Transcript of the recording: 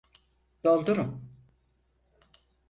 Doldurun!